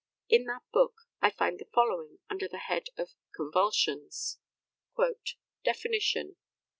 In that book I find the following, under the head of "Convulsions:" "Definition.